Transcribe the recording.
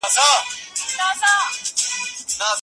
ستا د ميني په كورګـي كي